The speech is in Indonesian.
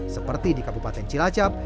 seperti di kabupaten cilacap